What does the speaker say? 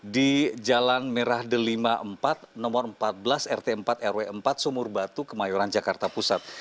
di jalan merah delima empat nomor empat belas rt empat rw empat sumur batu kemayoran jakarta pusat